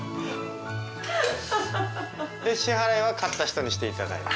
支払いは勝った人にしていただいて。